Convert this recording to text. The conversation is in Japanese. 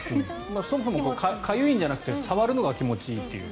そもそもかゆいんじゃなくて触るのが気持ちいいという。